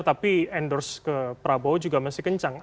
tapi endorse ke prabowo juga masih kencang